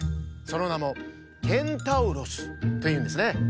そのなもケンタウロスというんですね。